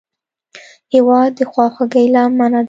هېواد د خواخوږۍ لمنه ده.